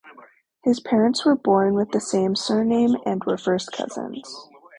His parents were born with the same surname and were first cousins.